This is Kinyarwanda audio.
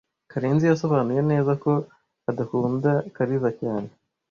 Karenzi yasobanuye neza ko adakunda Kariza cyane.